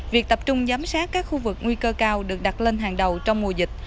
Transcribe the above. việc tập trung giám sát các khu vực nguy cơ cao được đặt lên hàng đầu trong mùa dịch